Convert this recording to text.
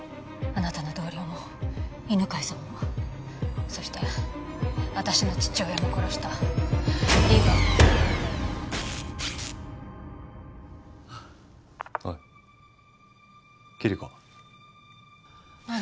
あなたの同僚も犬飼さんもそして私の父親も殺したリーおいキリコ何？